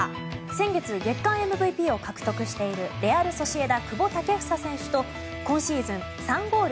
先月、月間ＭＶＰを獲得しているレアル・ソシエダ久保建英選手と今シーズン３ゴール